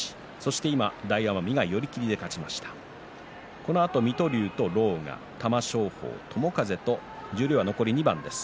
このあと水戸龍と狼雅玉正鳳と友風残り２番です。